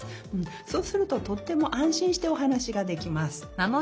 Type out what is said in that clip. そうするととってもあんしんしておはなしができます。